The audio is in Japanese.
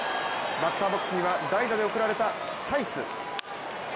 バッターボックスには代打で送られたサイス。